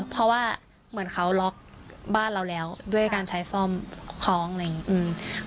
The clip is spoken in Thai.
เพราะว่าเหมือนเขาล็อกบ้านเราแล้วด้วยการใช้ซ่อมคล้องอะไรอย่างนี้อืม